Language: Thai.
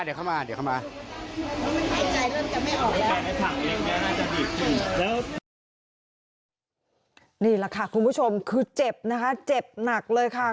นี่แหละค่ะคุณผู้ชมคือเจ็บนะคะเจ็บหนักเลยค่ะ